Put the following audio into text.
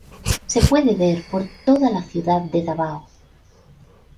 Se puede ver por toda la ciudad de Davao.